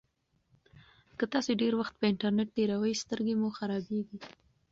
که تاسي ډېر وخت په انټرنيټ تېروئ سترګې مو خرابیږي.